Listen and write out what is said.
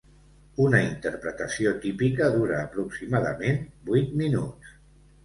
Una interpretació típica dura aproximadament vuit minuts.